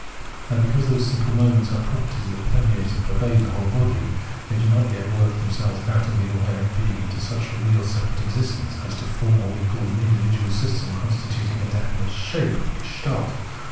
Now because those simple moments are properties that permeate and pervade the whole, they do not yet work themselves out of the organic being into such a real separate expression as to form what we call an indi vidual system constituting a definite shape {Gestalt).